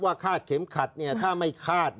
ว่าฆาตเข็มขัดถ้าไม่ฆาต